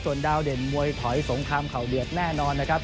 ส่วนดาวเด่นมวยถอยสงครามเข่าเดือดแน่นอนนะครับ